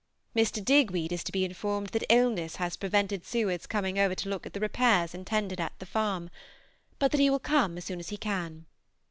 Mr. Digweed is to be informed that illness has prevented Seward's coming over to look at the repairs intended at the farm, but that he will come as soon as he can.